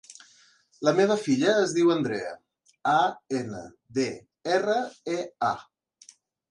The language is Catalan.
La meva filla es diu Andrea: a, ena, de, erra, e, a.